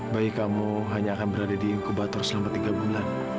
bayi kamu hanya akan berada di inkubator selama tiga bulan